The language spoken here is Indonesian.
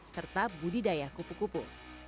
serta budidaya pupu pupu